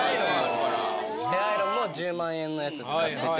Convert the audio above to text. ヘアアイロンも１０万円のやつ使ってて。